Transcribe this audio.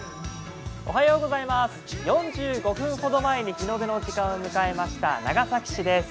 ４５分ほど前に日の出の時間を迎えました、長崎市です。